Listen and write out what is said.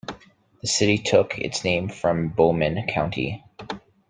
The city took its name from Bowman County.